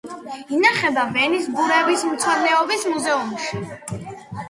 ინახება ვენის ბუნებისმცოდნეობის მუზეუმში.